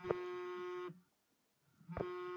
সারঙ্গন, থামো থামো!